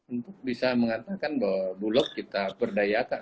untuk bisa mengatakan bahwa bulog kita berdayakan